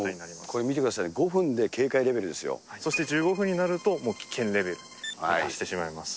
これ見てください、５分で警そして１５分になると、もう危険レベルに達してしまいます。